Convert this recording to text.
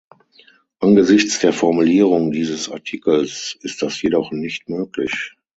Angesichts der Formulierung dieses Artikels ist das jedoch nicht möglich.